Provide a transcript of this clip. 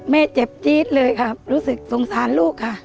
แม่เจ็บจี๊ดเลยค่ะรู้สึกสงสารลูกค่ะ